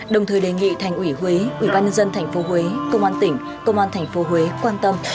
đồng thời đề nghị thành ủy huế ủy ban nhân dân tp huế công an tỉnh công an tp huế quan tâm